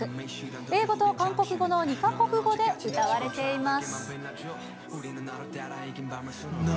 英語と韓国語の２か国語で歌われています。